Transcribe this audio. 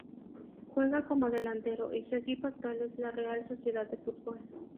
Juega como delantero y su equipo actual es la Real Sociedad de Fútbol.